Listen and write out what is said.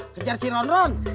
kejar si ronron